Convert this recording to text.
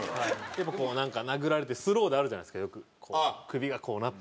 やっぱこう殴られてスローであるじゃないですかよく首がこうなってる。